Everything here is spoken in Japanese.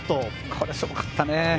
これすごかったね。